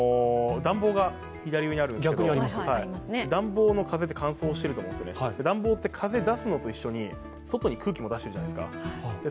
暖房が左上にあるんですけど、暖房の風で乾燥しますので、暖房って風を出すのと一緒に外に空気も出してるじゃないですか。